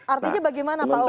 artinya bagaimana pak oke